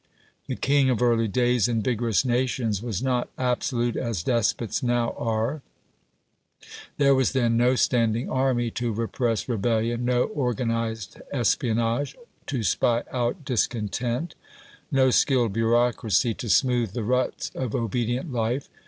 The king of early days, in vigorous nations, was not absolute as despots now are; there was then no standing army to repress rebellion, no organised ESPIONAGE to spy out discontent, no skilled bureaucracy to smooth the ruts of obedient life.